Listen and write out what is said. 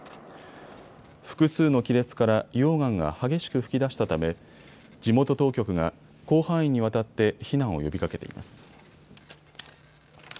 複数の亀裂から溶岩が激しく噴き出したため地元当局が広範囲にわたって避難を呼びかけています。